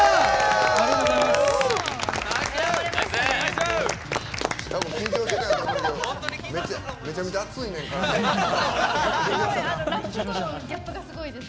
ありがとうございます！